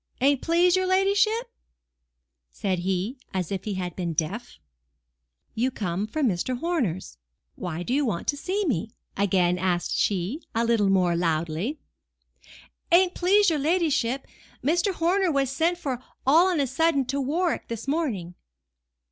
"An't please your ladyship?" said he, as if he had been deaf. "You come from Mr. Horner's: why do you want to see me?" again asked she, a little more loudly. "An't please your ladyship, Mr. Horner was sent for all on a sudden to Warwick this morning."